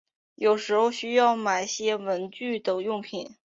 有时候需要买些文具等用品